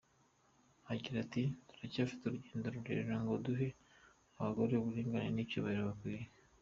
Agira ati “Turacyafite urugendo rurerure ngo duhe abagore uburinganire n’icyubahiro bakwiye.